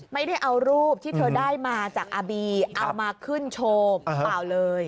ไม่ได้เอารูปที่เธอได้มาจากอาบีเอามาขึ้นโชว์เปล่าเลย